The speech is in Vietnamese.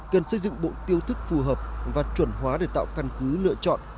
cần xây dựng bộ tiêu thức phù hợp và chuẩn hóa để tạo căn cứ lựa chọn